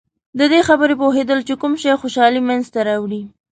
د دې خبرې پوهېدل چې کوم شی خوشحالي منځته راوړي.